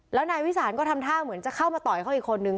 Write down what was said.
แล้วนายวิสานก็ทำท่าเหมือนจะเข้ามาต่อยเขาอีกคนนึง